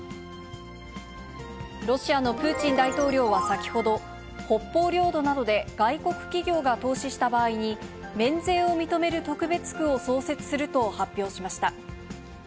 ロシアのプーチン大統領は先ほど、北方領土などで外国企業が投資した場合に、免税を認める特別区を創設すると発表しました。